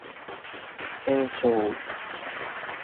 検証